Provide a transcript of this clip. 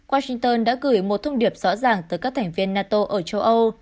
washington đã gửi một thông điệp rõ ràng tới các thành viên nato ở châu âu